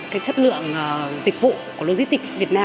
cái chất lượng dịch vụ của logistic việt nam